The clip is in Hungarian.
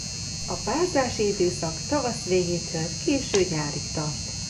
A párzási időszak tavasz végétől késő nyárig tart.